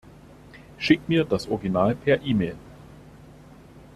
Schick mir das Original per E-Mail.